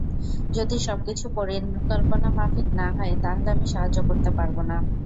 যদি সবকিছু পরিকল্পনা মাফিক না হয়, তাহলে আমি সাহায্য করতে পারব না।